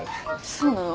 そうなの？